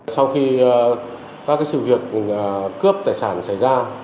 sau khi các sự việc cướp tài sản xảy ra